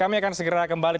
kami akan segera kembali